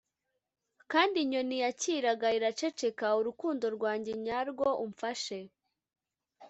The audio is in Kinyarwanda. kandi inyoni yikaraga iraceceka. urukundo rwanjye nyarwo, umfashe.